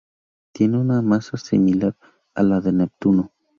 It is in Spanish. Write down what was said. Tiene una masa similar a la de Neptuno.